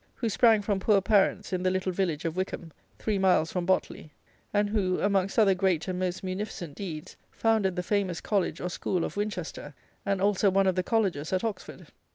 who sprang from poor parents in the little village of Wykham, three miles from Botley; and who, amongst other great and most munificent deeds, founded the famous College, or School, of Winchester, and also one of the Colleges at Oxford.